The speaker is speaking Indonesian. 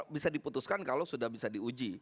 bisa diputuskan kalau sudah bisa diuji